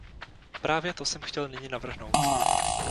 Právě to jsem chtěl nyní navrhnout.